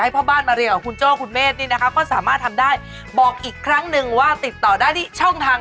แต่เน้นพรีมาณให้ผู้คนเนี่ยสามารถซื้อจับจ่ายได้จริง